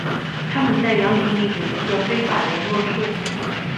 他们在凉亭里有一个非法联络处。